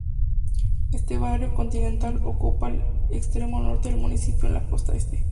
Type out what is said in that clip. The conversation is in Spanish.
Este barrio, "continental", ocupa el extremo norte del municipio en la costa este.